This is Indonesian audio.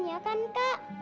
ya kan kak